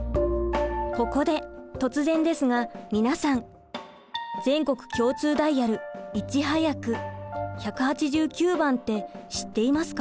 ここで突然ですが皆さん全国共通ダイヤル「いちはやく」「１８９番」って知っていますか？